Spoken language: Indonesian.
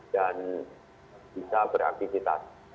dan bisa beraktifitas